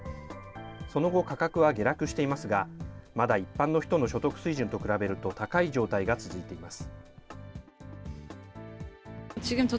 その後、価格は下落していますが、まだ一般の人の所得水準と比べると高い状態が続いています。